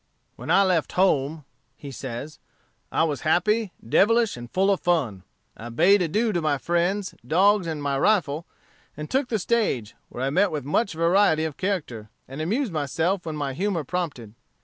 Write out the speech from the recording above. "When I left home," he says, "I was happy, devilish, and full of fun. I bade adieu to my friends, dogs, and rifle, and took the stage, where I met with much variety of character, and amused myself when my humor prompted.